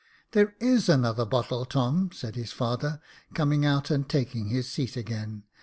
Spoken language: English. " There is another bottle, Tom," said his father, coming out and taking his seat again.